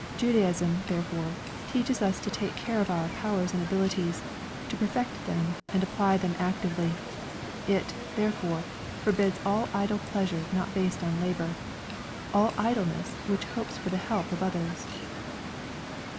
Judaism, therefore, teaches us to take care of our powers and abilities, to perfect them and apply them actively. It, therefore, forbids all idle pleasure not based on labour, all idleness which hopes for the help of others."